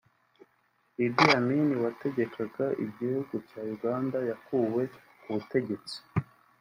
Idi Amin wategekaga igihugu cya Uganda yakuwe ku butegetsi